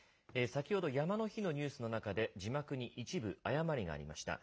先ほど、山の日のニュースの中で、字幕に一部誤りがありました。